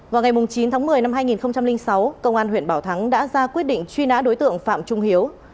vào ngày chín tháng một mươi năm hai nghìn sáu công an huyện bảo thắng đã ra quyết định truy nã đối tượng phạm trung hiếu